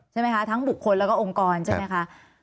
ใช่มั้ยคะทั้งบทคนแล้วก็องค์กรใช่มั้ยคะ